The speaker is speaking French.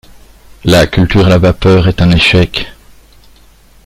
La culture à la vapeur est un échec.